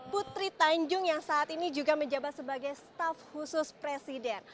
putri tanjung yang saat ini juga menjabat sebagai staff khusus presiden